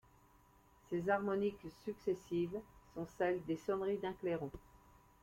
Ces harmoniques successives sont celles des sonneries d'un clairon.